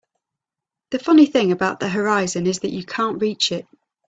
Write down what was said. The funny thing about the horizon is that you can't reach it.